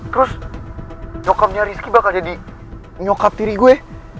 terus nyokamnya rizky bakal jadi nyokap tiri gue